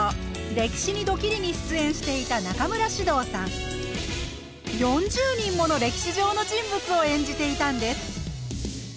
「歴史にドキリ」に出演していた４０人もの歴史上の人物を演じていたんです！